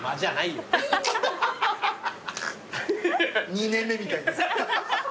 ２年目みたいな。